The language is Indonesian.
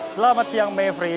selamat siang mevry